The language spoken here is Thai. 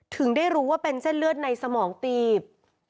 ถึงได้รู้ว่าเป็นเส้นเลือดในสมองตีบ